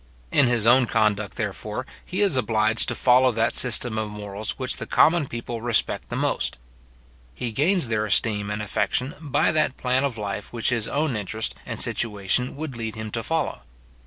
In his own conduct, therefore, he is obliged to follow that system of morals which the common people respect the most. He gains their esteem and affection, by that plan of life which his own interest and situation would lead him to follow.